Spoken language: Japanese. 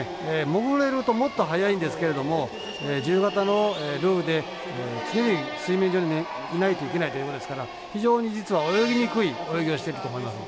潜れるともっと速いんですけれども自由形のルールで常に水面上にいないといけないということですから非常に実は泳ぎにくい泳ぎをしていると思います。